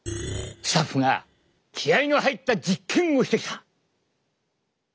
スタッフが気合いの入った実験をしてきた！